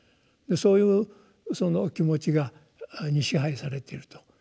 そういうその気持ちに支配されていると。